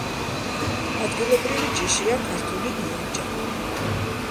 ადგილობრივი ჯიშია ქართული იონჯა.